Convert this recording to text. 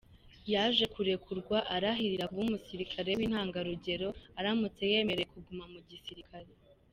Yaje kurekurwa, arahirira kuba umusirikare w’intangarugero aramutse yemerewe kuguma mu gisirikare.